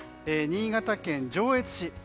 新潟県上越市。